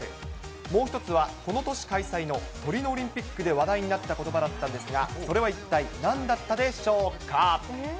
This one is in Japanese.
もう一つは、この年開催のトリノオリンピックで話題になったことばだったんですが、それは一体何だったでしょうか。